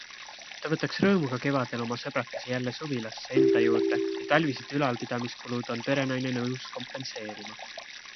Ta võtaks rõõmuga kevadel oma sõbrakese jälle suvilasse enda juurde ja talvised ülalpidamiskulud on perenaine nõus kompenseerima.